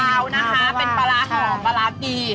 ขาวนะคะเป็นปลาร้าหอมปลาร้าปี